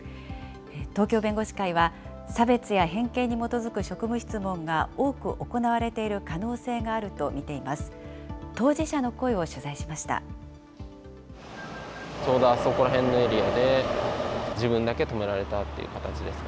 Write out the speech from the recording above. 東京弁護士会は、差別や偏見に基づく職務質問が多く行われている可能性があると見ています。